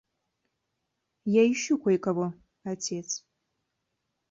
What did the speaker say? Я ищу кое-кого, отец.